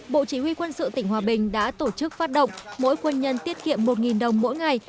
bộ chỉ huy quân sự tỉnh hòa bình đã tổ chức phát động mỗi quân nhân tiết kiệm một đồng mỗi ngày